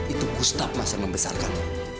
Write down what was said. itu gustaf mas yang membesarkan